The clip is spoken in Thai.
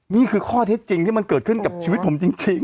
นี่คือข้อเท็จจริงที่มันเกิดขึ้นกับชีวิตผมจริง